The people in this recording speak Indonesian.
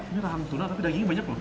ini rahang tuna tapi dagingnya banyak lho